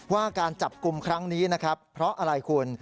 ว่าการจับกลุ่มครั้งนี้นะครับเพราะอะไรคุณ